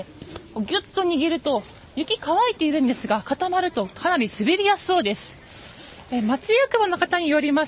ギュッと握ると雪は乾いているんですが固まるとかなり滑りやすそうです。